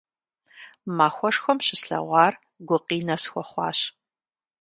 Махуэшхуэм щыслъэгъуар гукъинэ схуэхъуащ.